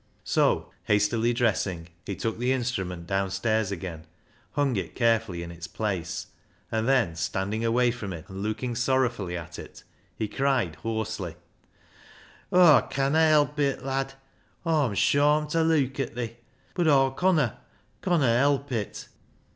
So, hastily dressing, he took the instrument down stairs again, hung it carefully in its place, and then standing away from it and looking sorrow fully at it, he cried hoarsely —" Aw conna help it, lad ! Aw'm shawmed ta leuk at thi, bud Aw conna, conna help it."